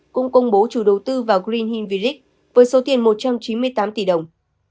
cũng công bố chủ đầu tư vào green hill village với số tiền một trăm chín mươi tám tỷ đồng